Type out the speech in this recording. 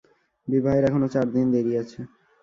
বিবাহের এখনো চার দিন দেরি আছে।